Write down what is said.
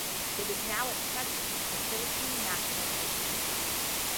It is now at present, the Philippine National Police.